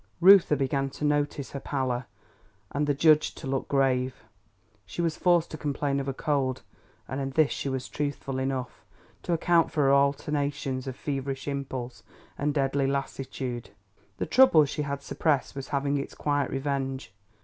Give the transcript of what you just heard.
Reuther began to notice her pallor, and the judge to look grave. She was forced to complain of a cold (and in this she was truthful enough) to account for her alternations of feverish impulse and deadly lassitude. The trouble she had suppressed was having its quiet revenge.